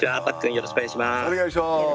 よろしくお願いします。